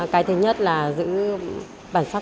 các bản chất dân tộc